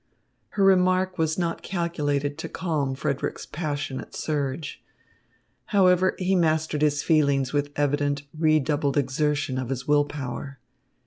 Her remark was not calculated to calm Frederick's passionate surge. However, he mastered his feelings with evident, redoubled exertion of his will power.